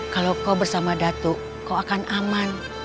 kalau kau bersama datu kau akan aman